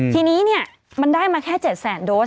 ทีนี้เนี่ยมันได้มาแค่๗๐๐๐๐๐โดส